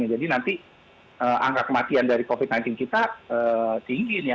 jadi nanti angka kematian dari covid sembilan belas kita tinggi ya